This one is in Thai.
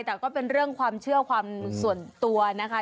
แต่ก็เป็นเรื่องความเชื่อความส่วนตัวนะคะ